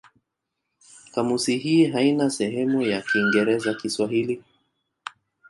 Kamusi hii haina sehemu ya Kiingereza-Kiswahili.